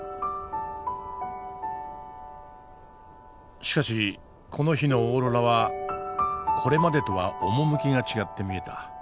しかしこの日のオーロラはこれまでとは趣が違って見えた。